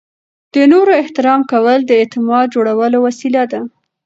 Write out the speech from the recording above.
د نورو احترام کول د اعتماد جوړولو وسیله ده.